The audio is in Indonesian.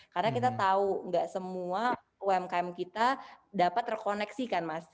karena kita tahu gak semua umkm kita dapat terkoneksikan mas